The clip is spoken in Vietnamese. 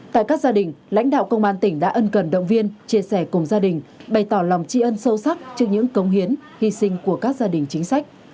tại các gia đình lãnh đạo công an tỉnh đã ân cần động viên chia sẻ cùng gia đình bày tỏ lòng tri ân sâu sắc trước những công hiến hy sinh của các gia đình chính sách